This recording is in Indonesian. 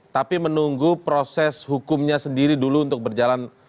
tapi menunggu proses hukumnya sendiri dulu untuk berjalan